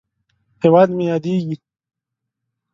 هېواد مې یادیږې!